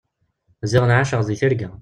Ziɣen ɛaceɣ deg tirga.